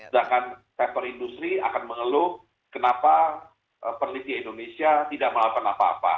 dan sektor industri akan mengeluh kenapa peneliti indonesia tidak melakukan apa apa